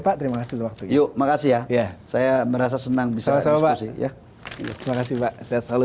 pak terima kasih waktu yuk makasih ya saya merasa senang bisa sama sama ya terima kasih pak saya selalu